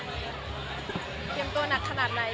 เตรียมตัวหนักขนาดไหน